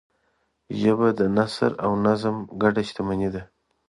ژبه د نثر او نظم ګډ شتمنۍ ده